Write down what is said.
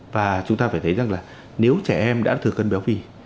và chúng ta phải thấy rằng là nếu trẻ em đã thừa cân béo phì